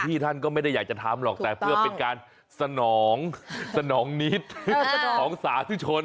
ท่านก็ไม่ได้อยากจะทำหรอกแต่เพื่อเป็นการสนองสนองนิดของสาธุชน